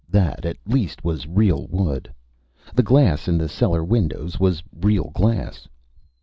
That, at least, was real wood. The glass in the cellar windows was real glass.